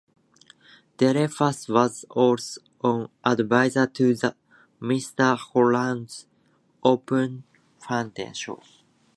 Dreyfuss was also an advisor to The Mr. Holland's Opus Foundation.